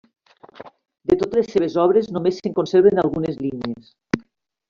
De totes les seves obres només se'n conserven algunes línies.